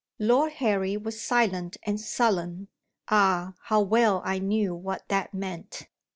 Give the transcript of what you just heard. Lord Harry was silent and sullen (ah, how well I knew what that meant!)